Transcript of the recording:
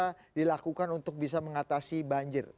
bisa dilakukan untuk bisa mengatasi banjir